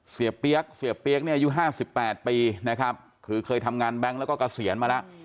เปี๊ยกเสียเปี๊ยกเนี่ยอายุ๕๘ปีนะครับคือเคยทำงานแบงค์แล้วก็เกษียณมาแล้ว